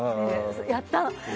やった！